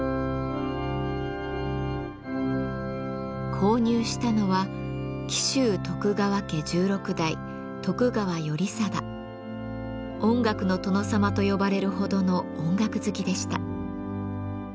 購入したのは「音楽の殿様」と呼ばれるほどの音楽好きでした。